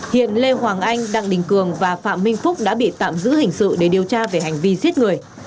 hiện lê hoàng anh đặng đình cường và phạm minh phúc đã bị tạm giữ hình sự để điều tra về hành vi giết người